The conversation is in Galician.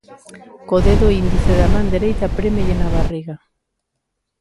Co dedo índice da man dereita prémelle na barriga.